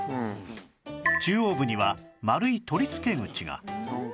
中央部には丸い取りつけ口が